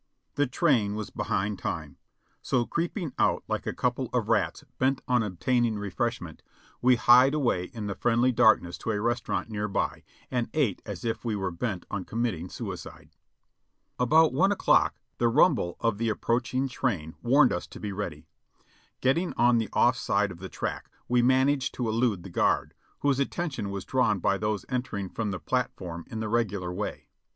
The train was behind time, so creeping out like a couple of rats bent on obtain ing refreshment, we hied away in the friendly darkness to a res taurant near by, and ate as if we were bent on committing suicide. About one o'clock the rumble of the approaching train warned us to be ready. Getting on the off side of the track, we managed to elude the guard, whose attention was drawn by those entering from the platform in the regular way.